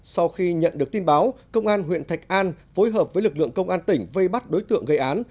sau khi nhận được tin báo công an huyện thạch an phối hợp với lực lượng công an tỉnh vây bắt đối tượng gây án